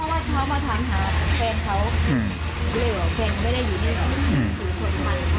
เขามาถามหาเพื่อนเขา